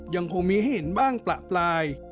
ยังคงมีเห็นบ้างปล่าปลาย